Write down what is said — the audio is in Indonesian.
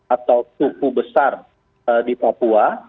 atau suku besar di papua